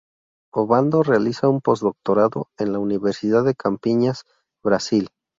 Obando realiza un postdoctorado en la Universidad de Campiñas, Brasil.